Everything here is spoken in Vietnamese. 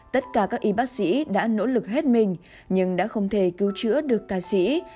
tất cả các y bác sĩ đã nỗ lực hết mình nhưng đã không thể cứu chữa được ca sĩ